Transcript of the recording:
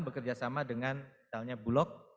bekerjasama dengan misalnya bulog